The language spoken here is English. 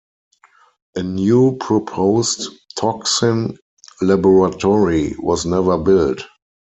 A new proposed toxin laboratory was never built.